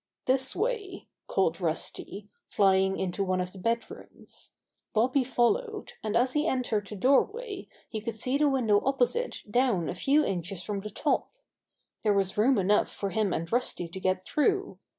"This way," called Rusty, flying into one of the bed rooms. Bobby followed, and as he entered the doorway he could see the window opposite down a few inches from the top. There was room enough for him and Rusty to get through.